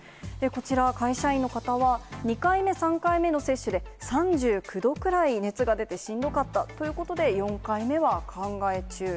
こちら、会社員の方は、２回目、３回目の接種で３９度くらい熱が出てしんどかったということで４回目は考え中。